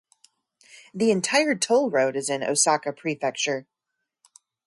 The entire toll road is in Osaka Prefecture.